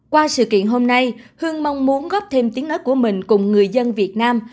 qua sự kiện hôm nay hương mong muốn góp thêm tiếng ớt của mình cùng người dân việt nam